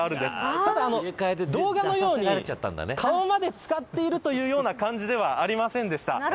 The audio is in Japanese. ただ、動画のように顔まで漬かっているというような感じではありませんでした。